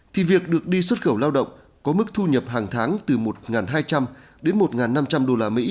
thì việc được đi xuất khẩu lao động có mức thu nhập hàng tháng từ một hai trăm linh đến một năm trăm linh usd